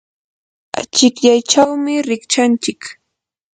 achikyaychawmi rikchanchik.